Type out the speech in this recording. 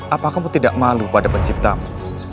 apa kamu tidak malu pada penciptamu